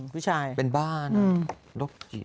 ผู้ชายเป็นบ้านโรคจิต